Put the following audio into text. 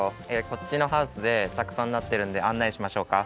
こっちのハウスでたくさんなってるんであんないしましょうか。